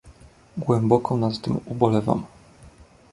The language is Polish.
Głęboko nad tym ubolewam